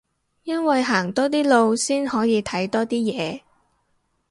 因為行多啲路先可以睇多啲嘢